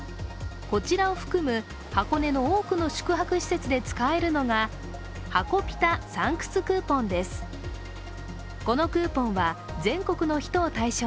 こちらを含む箱根の多くの宿泊施設で使えるのが箱ぴたサンクスクーポンです。